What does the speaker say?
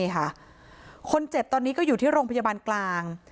คนเจ็บตอนนี้ก็อยู่ที่โรงพยาบาลกลาง